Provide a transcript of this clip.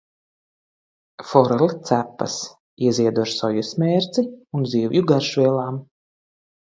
Forele cepas, ieziedu ar sojas mērci un zivju garšvielām.